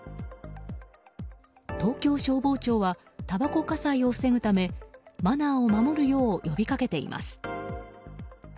東京消防庁はたばこ火災を防ぐためマナーを守るよう呼びかけています。